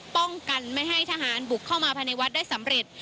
ป้องกันไม่ให้ทหารบุกเข้ามาภายในวัดได้สำเร็จ